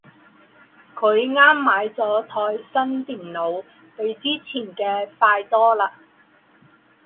她刚买了台新电脑，比之前的快多了。